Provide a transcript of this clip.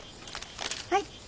はい。